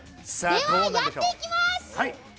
ではやっていきます。